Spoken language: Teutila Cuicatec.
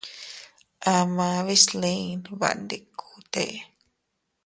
Amaa bislin baʼandikute.